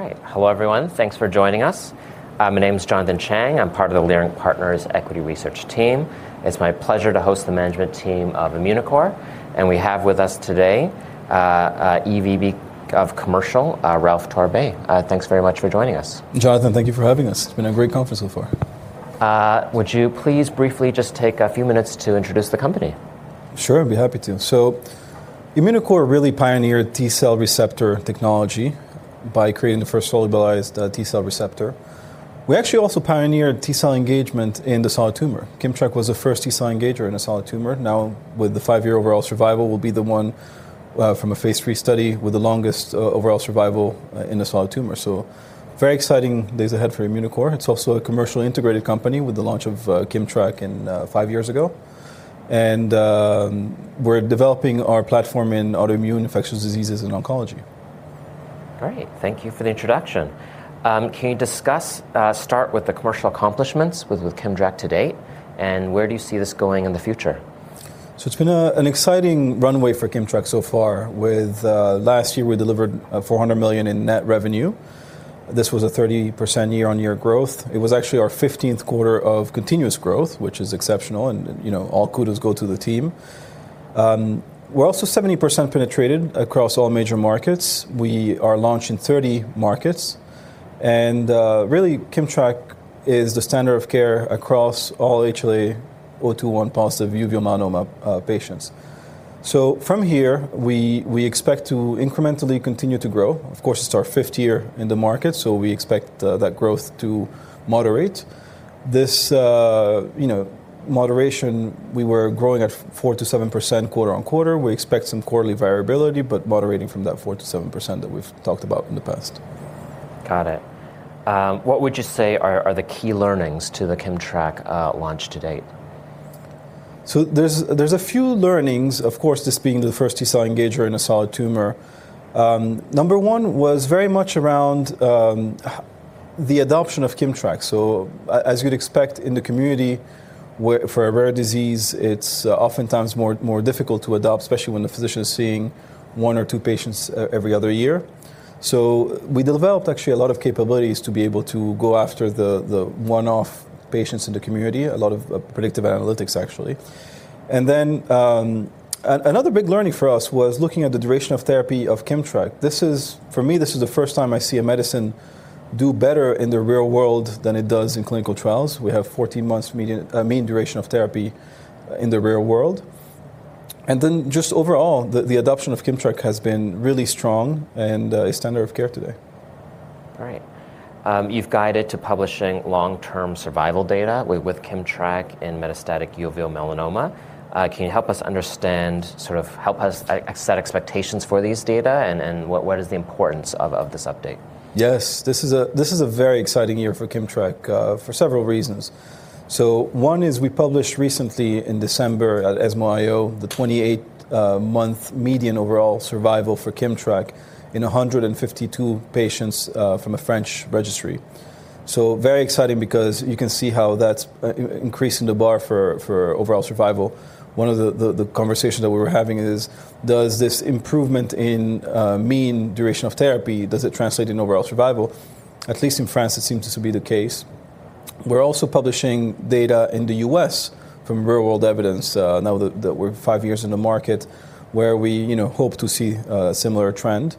All right. Hello, everyone. Thanks for joining us. My name is Jonathan Chang. I'm part of the Leerink Partners Equity Research Team. It's my pleasure to host the management team of Immunocore, and we have with us today, EVP of Commercial, Ralph Torbay. Thanks very much for joining us. Jonathan, thank you for having us. It's been a great conference so far. Would you please briefly just take a few minutes to introduce the company? Sure, I'd be happy to. Immunocore really pioneered T-cell receptor technology by creating the first solubilized T-cell receptor. We actually also pioneered T-cell engagement in the solid tumor. KIMMTRAK was the first T-cell engager in a solid tumor. Now with the 5-year overall survival, will be the one from a Phase 3 study with the longest overall survival in a solid tumor. Very exciting days ahead for Immunocore. It's also a commercially integrated company with the launch of KIMMTRAK and 5 years ago. We're developing our platform in autoimmune infectious diseases and oncology. Great. Thank you for the introduction. Can you discuss, start with the commercial accomplishments with KIMMTRAK to date, and where do you see this going in the future? It's been an exciting runway for KIMMTRAK so far with last year we delivered $400 million in net revenue. This was a 30% year-on-year growth. It was actually our fifteenth quarter of continuous growth, which is exceptional and, you know, all kudos go to the team. We're also 70% penetrated across all major markets. We are launched in 30 markets and really KIMMTRAK is the standard of care across all HLA-A*02:01 positive uveal melanoma patients. From here, we expect to incrementally continue to grow. Of course, it's our fifth year in the market, so we expect that growth to moderate. This, you know, moderation, we were growing at 4%-7% quarter-on-quarter. We expect some quarterly variability, but moderating from that 4%-7% that we've talked about in the past. Got it. What would you say are the key learnings to the KIMMTRAK launch to date? There's a few learnings, of course, this being the first T-cell engager in a solid tumor. Number one was very much around the adoption of KIMMTRAK. As you'd expect in the community where for a rare disease, it's oftentimes more difficult to adopt, especially when the physician is seeing one or two patients every other year. We developed actually a lot of capabilities to be able to go after the one-off patients in the community, a lot of predictive analytics, actually. Another big learning for us was looking at the duration of therapy of KIMMTRAK. This is, for me, this is the first time I see a medicine do better in the real world than it does in clinical trials. We have 14 months mean duration of therapy in the real world. Just overall, the adoption of KIMMTRAK has been really strong and a standard of care today. All right. you've guided to publishing long-term survival data with KIMMTRAK in metastatic uveal melanoma. can you help us understand, sort of help us set expectations for these data and what is the importance of this update? Yes. This is a very exciting year for KIMMTRAK for several reasons. One is we published recently in December at ESMO, the 28-month median overall survival for KIMMTRAK in 152 patients from a French registry. Very exciting because you can see how that's increasing the bar for overall survival. One of the conversation that we were having is, does this improvement in mean duration of therapy, does it translate in overall survival? At least in France, it seems to be the case. We're also publishing data in the U.S. from real world evidence, now that we're 5 years in the market where we, you know, hope to see a similar trend.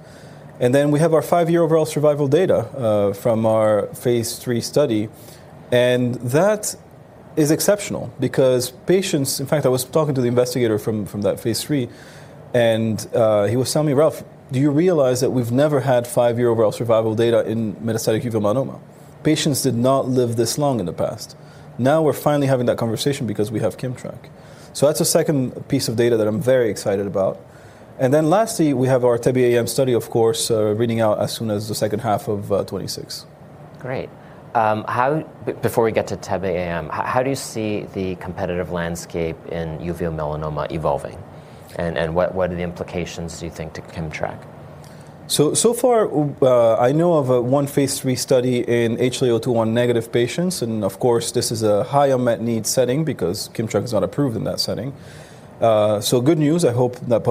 We have our 5-year overall survival data from our Phase 3 study. That is exceptional because patients. In fact, I was talking to the investigator from that phase three, and he was telling me, "Ralph, do you realize that we've never had 5-year overall survival data in metastatic uveal melanoma? Patients did not live this long in the past." Now we're finally having that conversation because we have KIMMTRAK. That's the second piece of data that I'm very excited about. Lastly, we have our TEBE-AM study, of course, reading out as soon as the second half of 2026. Great. before we get to TEBE-AM, how do you see the competitive landscape in uveal melanoma evolving? what are the implications do you think to KIMMTRAK? So far, I know of one Phase 3 study in HLA-A*02:01 negative patients, and of course, this is a high unmet need setting because KIMMTRAK is not approved in that setting. Good news, I hope that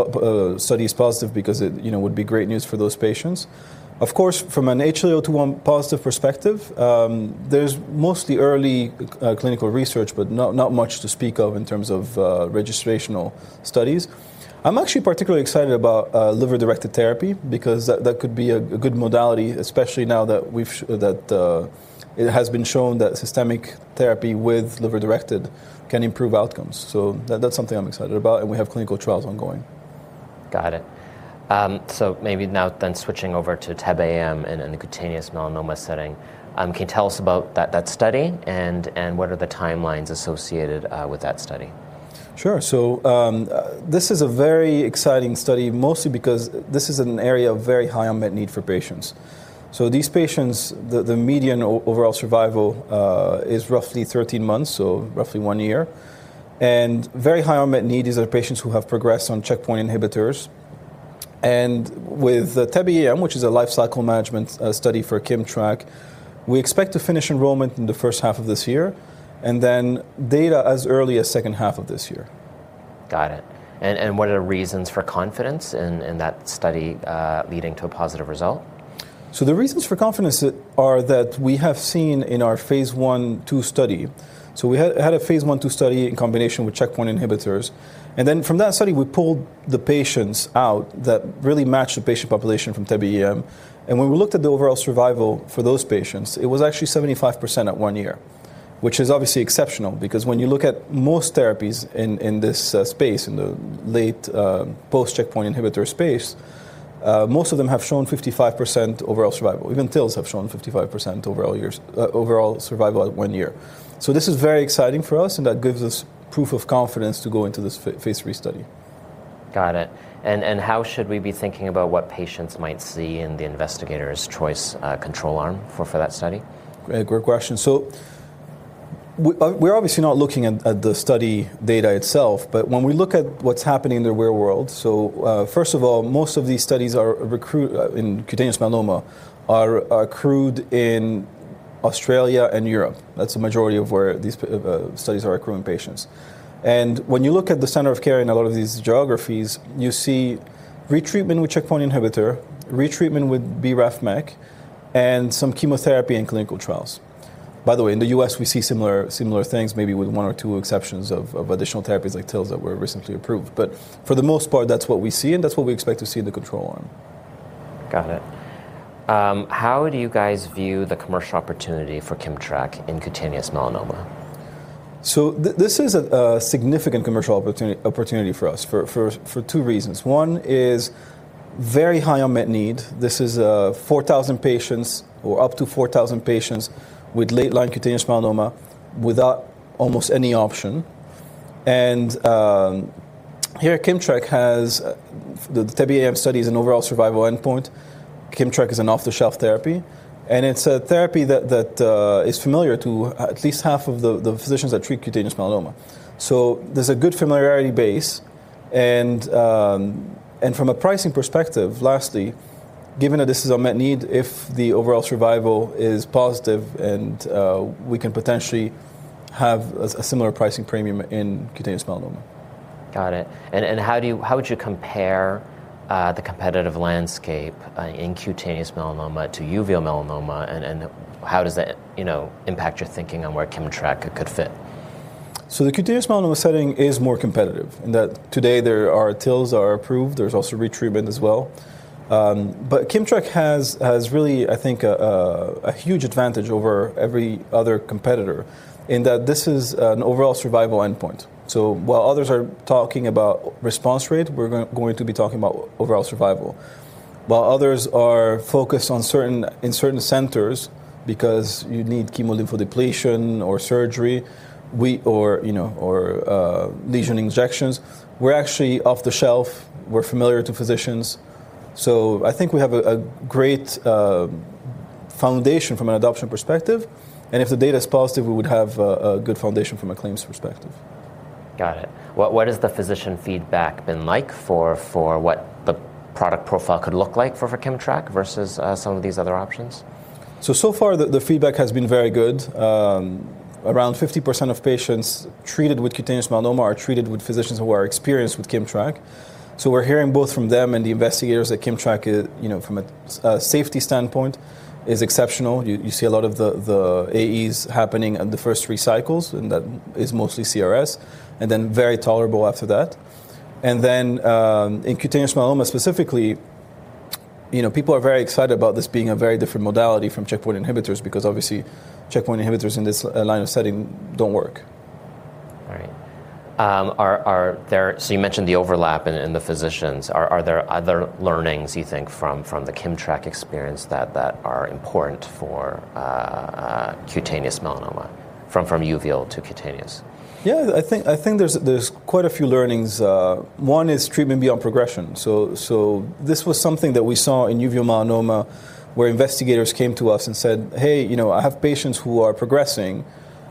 study is positive because it, you know, would be great news for those patients. Of course, from an HLA-A*02:01 positive perspective, there's mostly early clinical research, but not much to speak of in terms of registrational studies. I'm actually particularly excited about liver-directed therapy because that could be a good modality, especially now that it has been shown that systemic therapy with liver directed can improve outcomes. That's something I'm excited about, and we have clinical trials ongoing. Got it. Maybe now switching over to TEBE-AM in a cutaneous melanoma setting, can you tell us about that study and what are the timelines associated with that study? Sure. This is a very exciting study, mostly because this is an area of very high unmet need for patients. These patients, the median overall survival is roughly 13 months, roughly one year. Very high unmet need is that patients who have progressed on checkpoint inhibitors. With TEBE-AM, which is a life cycle management study for KIMMTRAK, we expect to finish enrollment in the first half of this year, then data as early as second half of this year. Got it. What are the reasons for confidence in that study, leading to a positive result? The reasons for confidence are that we have seen in our Phase 1/2 study, so we had a Phase 1/2 study in combination with checkpoint inhibitors. From that study, we pulled the patients out that really matched the patient population from TEBE-AM. When we looked at the overall survival for those patients, it was actually 75% at one year, which is obviously exceptional because when you look at most therapies in this space, in the late, post-checkpoint inhibitor space, most of them have shown 55% overall survival. Even TILs have shown 55% overall survival at one year. This is very exciting for us, and that gives us proof of confidence to go into this Phase 3 study. Got it. How should we be thinking about what patients might see in the investigator's choice, control arm for that study? Great. Good question. We're obviously not looking at the study data itself, but when we look at what's happening in the real world, first of all, most of these studies are in cutaneous melanoma are accrued in Australia and Europe. That's the majority of where these studies are accruing patients. When you look at the center of care in a lot of these geographies, you see retreatment with checkpoint inhibitor, retreatment with BRAF/MEK, and some chemotherapy and clinical trials. By the way, in the U.S., we see similar things, maybe with one or two exceptions of additional therapies like TILs that were recently approved. For the most part, that's what we see, and that's what we expect to see in the control arm. Got it. How do you guys view the commercial opportunity for KIMMTRAK in cutaneous melanoma? This is a significant commercial opportunity for us for two reasons. One is very high unmet need. This is 4,000 patients or up to 4,000 patients with late-line cutaneous melanoma without almost any option. Here KIMMTRAK has the TEBE-AM study is an overall survival endpoint. KIMMTRAK is an off-the-shelf therapy, and it's a therapy that is familiar to at least half of the physicians that treat cutaneous melanoma. There's a good familiarity base, and from a pricing perspective, lastly, given that this is unmet need, if the overall survival is positive and we can potentially have a similar pricing premium in cutaneous melanoma. Got it. How would you compare the competitive landscape in cutaneous melanoma to uveal melanoma? How does that, you know, impact your thinking on where KIMMTRAK could fit? The cutaneous melanoma setting is more competitive in that today there are TILs are approved. There's also retreatment as well. but KIMMTRAK has really, I think, a huge advantage over every other competitor in that this is an overall survival endpoint. While others are talking about response rate, we're going to be talking about overall survival. While others are focused on certain, in certain centers because you need chemolymph depletion or surgery, or, you know, or lesion injections, we're actually off the shelf. We're familiar to physicians, so I think we have a great foundation from an adoption perspective, and if the data is positive, we would have a good foundation from a claims perspective. Got it. What has the physician feedback been like for what the product profile could look like for KIMMTRAK versus some of these other options? So far, the feedback has been very good. Around 50% of patients treated with cutaneous melanoma are treated with physicians who are experienced with KIMMTRAK. We're hearing both from them and the investigators that KIMMTRAK, you know, from a safety standpoint is exceptional. You see a lot of the AEs happening at the first three cycles, and that is mostly CRS, and then very tolerable after that. In cutaneous melanoma specifically, you know, people are very excited about this being a very different modality from checkpoint inhibitors because obviously checkpoint inhibitors in this line of setting don't work. All right. You mentioned the overlap in the physicians. Are there other learnings you think from the KIMMTRAK experience that are important for cutaneous melanoma from uveal to cutaneous? Yeah. I think there's quite a few learnings. One is treatment beyond progression. This was something that we saw in uveal melanoma where investigators came to us and said, "Hey, you know, I have patients who are progressing.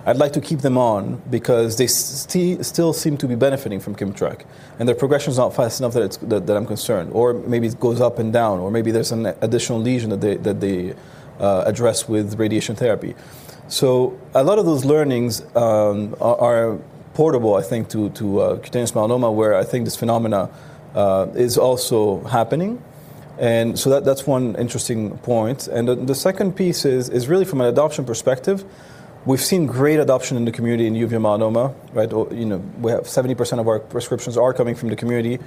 I'd like to keep them on because they still seem to be benefiting from KIMMTRAK, and their progression's not fast enough that I'm concerned." Or maybe it goes up and down, or maybe there's an additional lesion that they address with radiation therapy. A lot of those learnings are portable, I think, to cutaneous melanoma, where I think this phenomena is also happening. That's one interesting point. The second piece is really from an adoption perspective, we've seen great adoption in the community in uveal melanoma, right? you know, we have 70% of our prescriptions are coming from the community.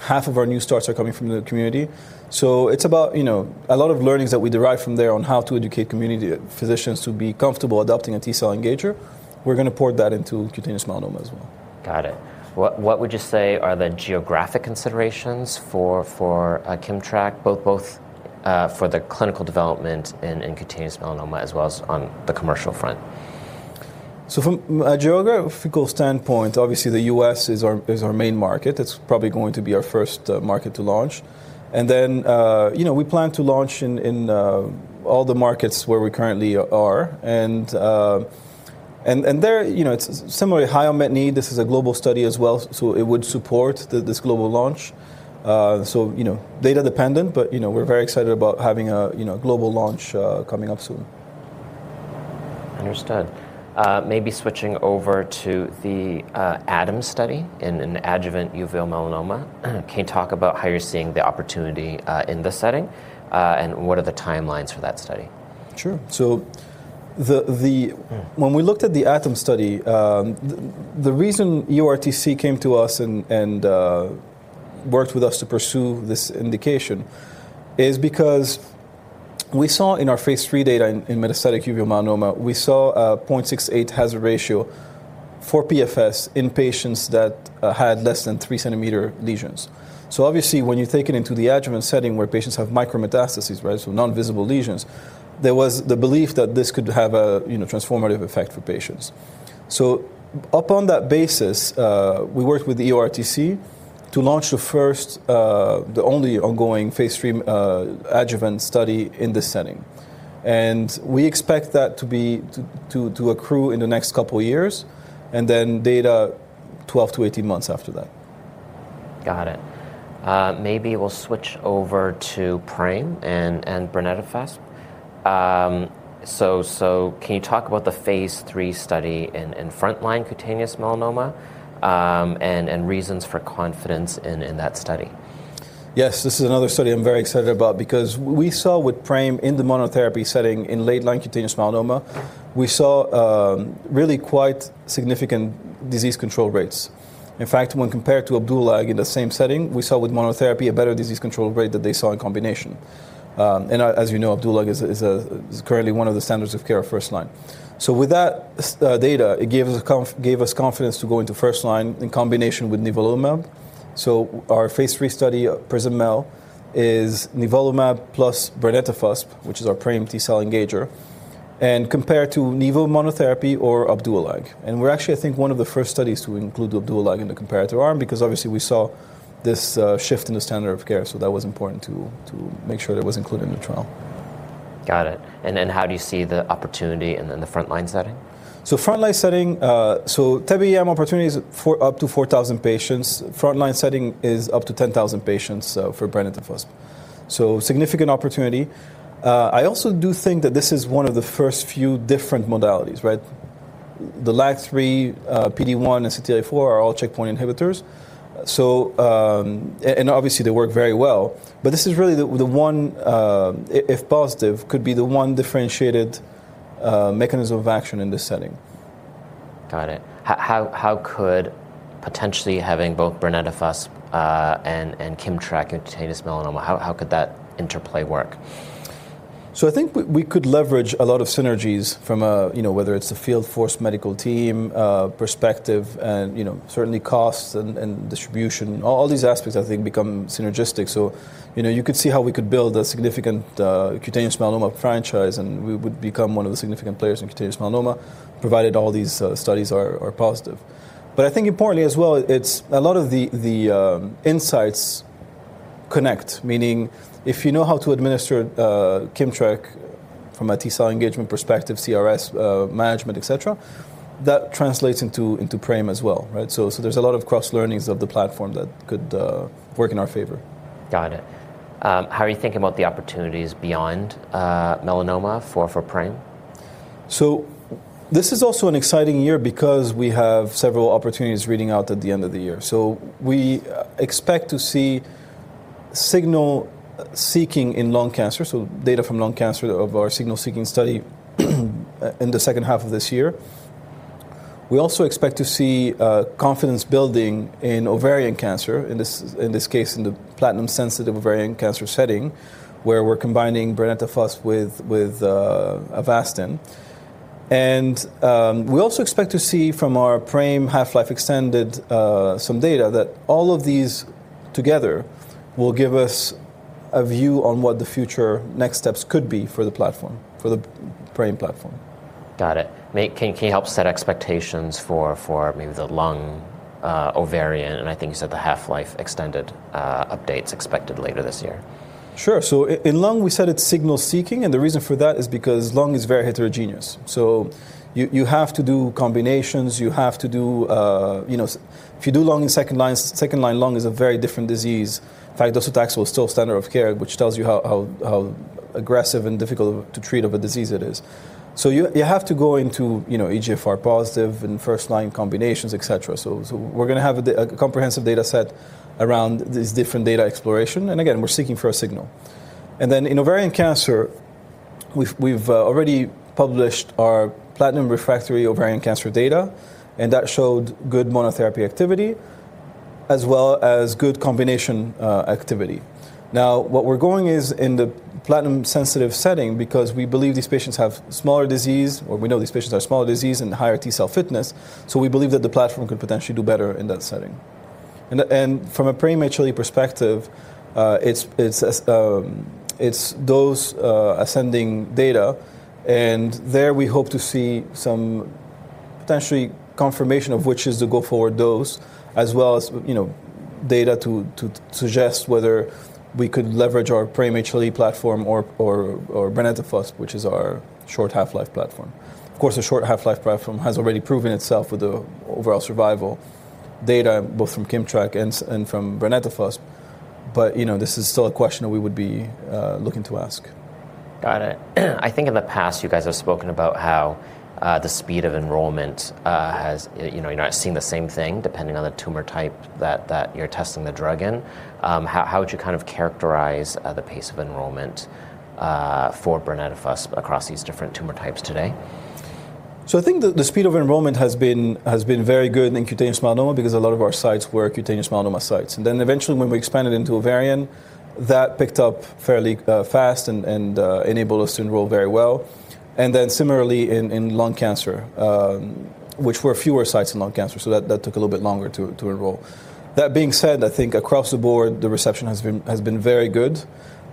Half of our new starts are coming from the community. it's about, you know, a lot of learnings that we derive from there on how to educate community physicians to be comfortable adopting a T-cell engager. We're gonna pour that into cutaneous melanoma as well. Got it. What would you say are the geographic considerations for KIMMTRAK, both for the clinical development in cutaneous melanoma as well as on the commercial front? From a geographical standpoint, obviously, the U.S. is our main market. That's probably going to be our first market to launch. You know, we plan to launch in all the markets where we currently are, and there, you know, it's similarly high unmet need. This is a global study as well, so it would support this global launch. You know, data dependent, but, you know, we're very excited about having a, you know, global launch coming up soon. Understood. Maybe switching over to the ATOM study in an adjuvant uveal melanoma. Can you talk about how you're seeing the opportunity in this setting, and what are the timelines for that study? Sure. When we looked at the ATOM study, the reason EORTC came to us and worked with us to pursue this indication is because we saw in our Phase 3 data in metastatic uveal melanoma, we saw a 0.68 hazard ratio for PFS in patients that had less than 3 cm lesions. Obviously when you take it into the adjuvant setting where patients have micrometastasis, right? Non-visible lesions, there was the belief that this could have a transformative effect for patients. Upon that basis, we worked with the EORTC to launch the first, the only ongoing Phase 3 adjuvant study in this setting. We expect that to be to accrue in the next 2 years, and then data 12-18 months after that. Got it. Maybe we'll switch over to PRAME and brenetafusp. Can you talk about the Phase 3 study in frontline cutaneous melanoma, and reasons for confidence in that study? Yes. This is another study I'm very excited about because we saw with PRAME in the monotherapy setting in late line cutaneous melanoma, we saw really quite significant disease control rates. In fact, when compared to Opdualag in the same setting, we saw with monotherapy a better disease control rate than they saw in combination. As you know, Opdualag is a, is currently one of the standards of care first line. With that data, it gave us confidence to go into first line in combination with Nivolumab. Our Phase 3 study, PRISM-MEL, is Nivolumab plus brenetafusp, which is our prime T-cell engager, and compared to Nivo monotherapy or Opdualag. We're actually, I think, one of the first studies to include Opdualag in the comparator arm because obviously we saw this shift in the standard of care, so that was important to make sure that was included in the trial. Got it. Then how do you see the opportunity in then the frontline setting? Frontline setting, TEBE-AM opportunity is up to 4,000 patients. Frontline setting is up to 10,000 patients for brenetafusp. Significant opportunity. I also do think that this is one of the first few different modalities, right? The LAG-3, PD-1 and CTLA-4 are all checkpoint inhibitors. And obviously they work very well, but this is really the one, if positive, could be the one differentiated mechanism of action in this setting. Got it. How could potentially having both brenetafusp, and KIMMTRAK in cutaneous melanoma, how could that interplay work? I think we could leverage a lot of synergies from a, you know, whether it's a field force medical team perspective and, you know, certainly costs and distribution. All these aspects I think become synergistic. You know, you could see how we could build a significant cutaneous melanoma franchise, and we would become one of the significant players in cutaneous melanoma, provided all these studies are positive. I think importantly as well, it's a lot of the insights connect, meaning if you know how to administer KIMMTRAK from a T-cell engagement perspective, CRS management, et cetera, that translates into PRAME as well, right? There's a lot of cross learnings of the platform that could work in our favor. Got it. How are you thinking about the opportunities beyond melanoma for PRAME? This is also an exciting year because we have several opportunities reading out at the end of the year. We expect to see signal seeking in lung cancer, so data from lung cancer of our signal seeking study in the second half of this year. We also expect to see confidence building in ovarian cancer, in this case, in the platinum-sensitive ovarian cancer setting, where we're combining brenetafusp with Avastin. We also expect to see from our PRAME half-life extended some data that all of these together will give us a view on what the future next steps could be for the platform, for the PRAME platform. Got it. Can you help set expectations for maybe the lung, ovarian, and I think you said the half-life extended updates expected later this year? Sure. In lung, we said it's signal seeking, and the reason for that is because lung is very heterogeneous. You, you have to do combinations, you have to do, you know If you do lung second-line, second-line lung is a very different disease. In fact, docetaxel is still standard of care, which tells you how aggressive and difficult to treat of a disease it is. You, you have to go into, you know, EGFR-positive and first-line combinations, et cetera. We're gonna have a comprehensive data set around this different data exploration. Again, we're seeking for a signal. Then in ovarian cancer, we've already published our platinum-refractory ovarian cancer data, and that showed good monotherapy activity as well as good combination activity. What we're going is in the platinum-sensitive setting because we believe these patients have smaller disease, or we know these patients have smaller disease and higher T-cell fitness. We believe that the platform could potentially do better in that setting. From a preliminary perspective, it's those ascending data. There we hope to see some potentially confirmation of which is the go-forward dose as well as, you know, data to suggest whether we could leverage our preliminary platform or brenetafusp, which is our short half-life platform. Of course, a short half-life platform has already proven itself with the overall survival data, both from KIMMTRAK and from brenetafusp. You know, this is still a question that we would be looking to ask. Got it. I think in the past, you guys have spoken about how the speed of enrollment has, you know, you're not seeing the same thing depending on the tumor type that you're testing the drug in. How would you kind of characterize the pace of enrollment for brenetafusp across these different tumor types today? I think the speed of enrollment has been very good in cutaneous melanoma because a lot of our sites were cutaneous melanoma sites. Eventually, when we expanded into ovarian, that picked up fairly fast and enabled us to enroll very well. Similarly in lung cancer, which were fewer sites in lung cancer, so that took a little bit longer to enroll. That being said, I think across the board, the reception has been very good,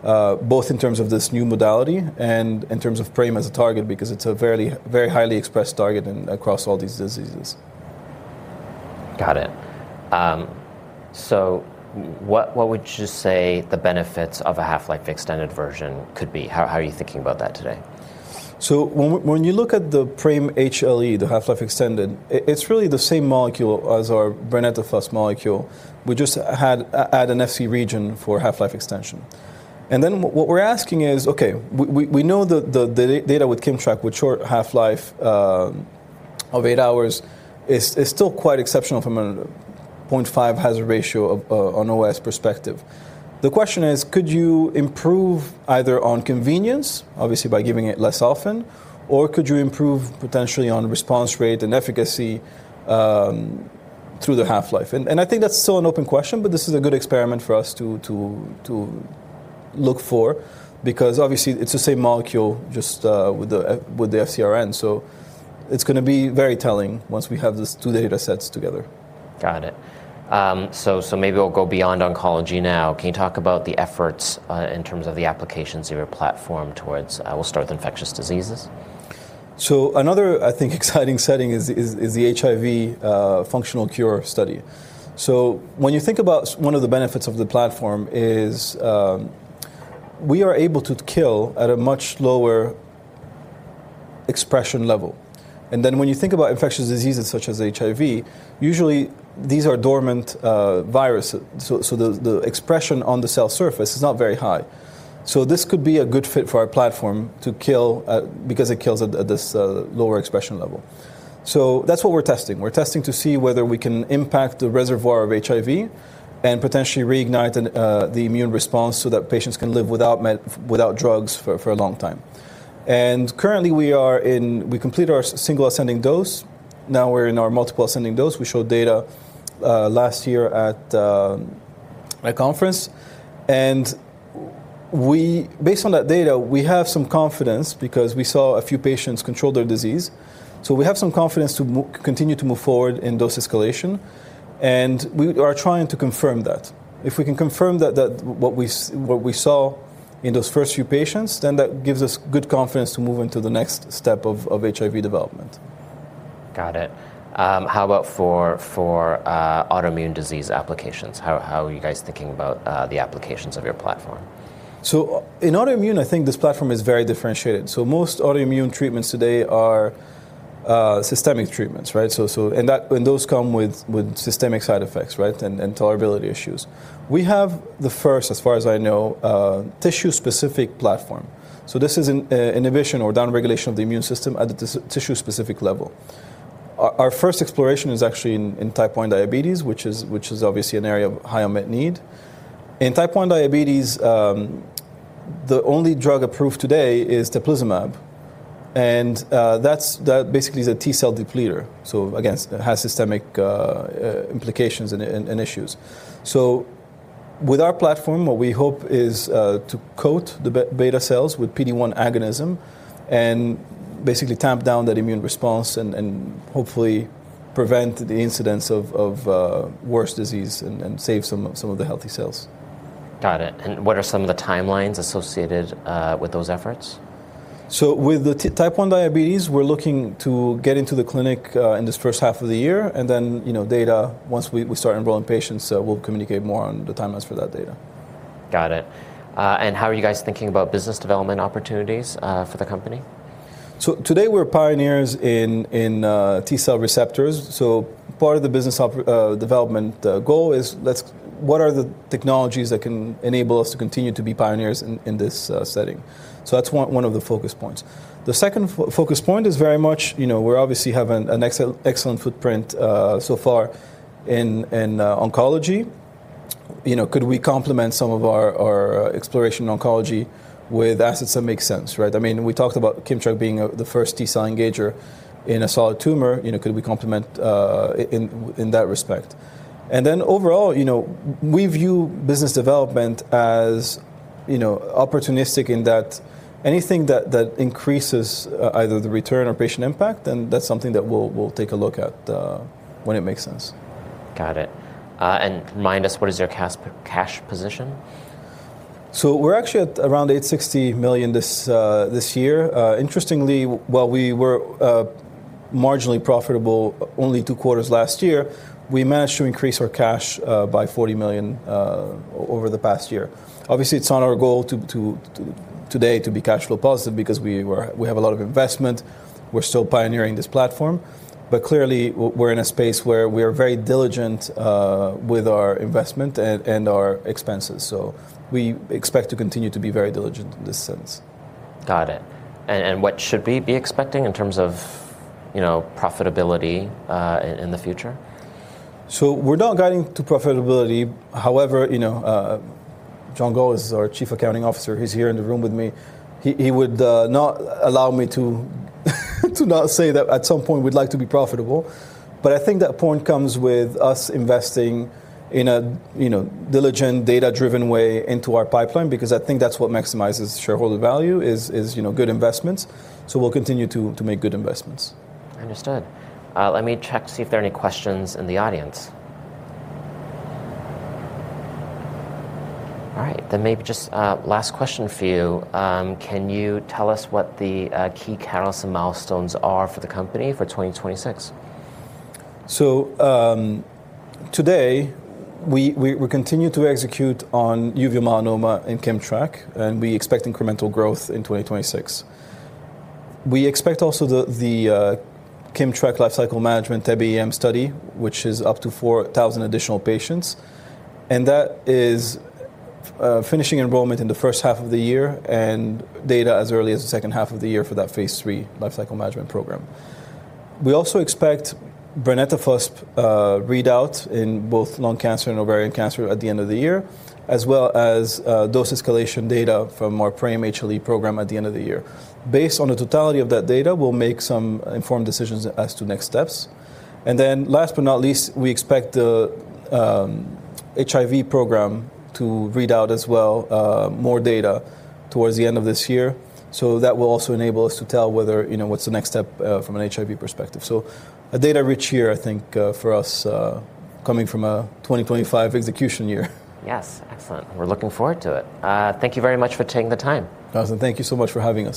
both in terms of this new modality and in terms of PRAME as a target because it's a very highly expressed target across all these diseases. Got it. What would you say the benefits of a half-life extended version could be? How are you thinking about that today? When you look at the PRAME HLE, the half-life extended, it's really the same molecule as our brenetafusp molecule. We just add an Fc region for half-life extension. What we're asking is, okay, we know the data with KIMMTRAK with short half-life of 8 hours is still quite exceptional from a 0.5 hazard ratio on OS perspective. The question is, could you improve either on convenience, obviously by giving it less often, or could you improve potentially on response rate and efficacy through the half-life? I think that's still an open question, but this is a good experiment for us to look for because obviously it's the same molecule just with the FcRn. It's gonna be very telling once we have these two data sets together. Got it. Maybe we'll go beyond oncology now. Can you talk about the efforts in terms of the applications of your platform towards, we'll start with infectious diseases? Another, I think, exciting setting is the HIV functional cure study. When you think about one of the benefits of the platform is, we are able to kill at a much lower expression level. When you think about infectious diseases such as HIV, usually these are dormant viruses. The expression on the cell surface is not very high. This could be a good fit for our platform to kill, because it kills at this lower expression level. That's what we're testing. We're testing to see whether we can impact the reservoir of HIV and potentially reignite an immune response so that patients can live without drugs for a long time. Currently, we completed our single ascending dose. Now we're in our multiple ascending dose. We showed data last year at a conference. Based on that data, we have some confidence because we saw a few patients control their disease. We have some confidence to continue to move forward in dose escalation. We are trying to confirm that. If we can confirm that what we saw in those first few patients, that gives us good confidence to move into the next step of HIV development. Got it. How about for autoimmune disease applications? How are you guys thinking about the applications of your platform? In autoimmune, I think this platform is very differentiated. Most autoimmune treatments today are systemic treatments, right? And those come with systemic side effects, right? Tolerability issues. We have the first, as far as I know, tissue-specific platform. This is in inhibition or downregulation of the immune system at the tissue-specific level. Our first exploration is actually in type one diabetes, which is obviously an area of high unmet need. In type one diabetes, the only drug approved today is teplizumab, and that basically is a T-cell depleter, so again, it has systemic implications and issues. With our platform, what we hope is to coat the beta cells with PD-1 agonism and basically tamp down that immune response and hopefully prevent the incidence of worse disease and save some of the healthy cells. Got it. What are some of the timelines associated with those efforts? With the type 1 diabetes, we're looking to get into the clinic, in this first half of the year, and then, you know, data, once we start enrolling patients, we'll communicate more on the timelines for that data. Got it. How are you guys thinking about business development opportunities for the company? Today we're pioneers in T-cell receptors. Part of the business development goal is what are the technologies that can enable us to continue to be pioneers in this setting? That's one of the focus points. The second focus point is very much, you know, we're obviously having an excellent footprint so far in oncology. You know, could we complement some of our exploration in oncology with assets that make sense, right? I mean, we talked about KIMMTRAK being the first T-cell engager in a solid tumor, you know, could we complement in that respect? Overall, you know, we view business development as, you know, opportunistic in that anything that increases either the return or patient impact, then that's something that we'll take a look at when it makes sense. Got it. remind us, what is your cash position? We're actually at around $860 million this year. Interestingly, while we were marginally profitable only two quarters last year, we managed to increase our cash by $40 million over the past year. Obviously, it's not our goal today to be cash flow positive because we have a lot of investment. We're still pioneering this platform, clearly we're in a space where we're very diligent with our investment and our expenses. We expect to continue to be very diligent in this sense. Got it. What should we be expecting in terms of, you know, profitability, in the future? We're not guiding to profitability. However, you know, John Goll is our Chief Accounting Officer, he's here in the room with me. He would not allow me to not say that at some point we'd like to be profitable. I think that point comes with us investing in a, you know, diligent, data-driven way into our pipeline because I think that's what maximizes shareholder value is, you know, good investments. We'll continue to make good investments. Understood. Let me check to see if there are any questions in the audience. All right. Maybe just last question for you. Can you tell us what the key catalyst and milestones are for the company for 2026? Today, we continue to execute on uveal melanoma and KIMMTRAK. We expect incremental growth in 2026. We expect also the KIMMTRAK lifecycle management KIMMTRAK study, which is up to 4,000 additional patients. That is finishing enrollment in the first half of the year and data as early as the second half of the year for that Phase 3 lifecycle management program. We also expect brenetafusp readout in both lung cancer and ovarian cancer at the end of the year, as well as dose escalation data from our PRAME HLE program at the end of the year. Based on the totality of that data, we'll make some informed decisions as to next steps. Last but not least, we expect the HIV program to read out as well, more data towards the end of this year. That will also enable us to tell whether, you know, what's the next step from an HIV perspective. A data-rich year, I think, for us, coming from a 2025 execution year. Yes. Excellent. We're looking forward to it. Thank you very much for taking the time. Awesome. Thank you so much for having us.